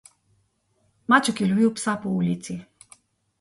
Maček je lovil psa po ulici.